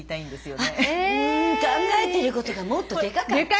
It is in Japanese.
考えてることがもっとでかかった。